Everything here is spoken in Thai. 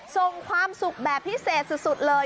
ส่งความสุขแบบพิเศษสุดเลย